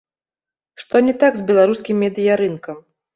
Што не так з беларускім медыярынкам?